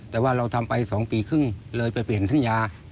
แต่ว่าเราทำไป๒ปีครึ่งเลยไปเปลี่ยนสัญญา